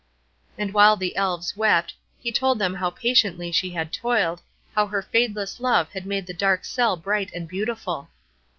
And while the Elves wept, he told them how patiently she had toiled, how her fadeless love had made the dark cell bright and beautiful.